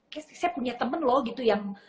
kayak saya punya temen loh gitu yang